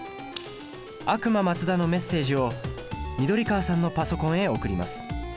悪魔マツダのメッセージを緑川さんのパソコンへ送ります。